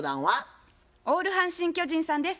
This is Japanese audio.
オール阪神・巨人さんです。